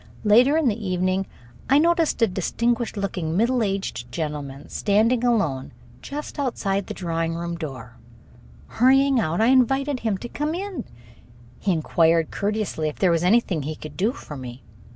Later in the evening I noticed a distinguished looking middle aged gentleman standing alone just outside the drawing room door. Hurrying out, I invited him to come in. He inquired courteously if there was anything he could do for me.